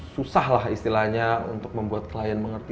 susahlah istilahnya untuk membuat klien mengerti